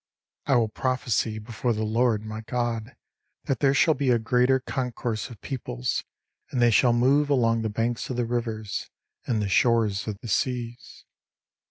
I will prophecy before the Lord my God That there shall be a greater concourse of peoples, And they shall move along the banks of the rivers, And the shores of the seas.